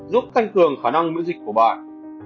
giúp thanh cường khả năng miễn dịch của bạn